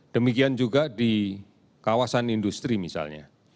demikian juga di kawasan industri misalnya